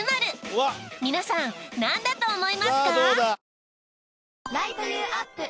皆さんなんだと思いますか？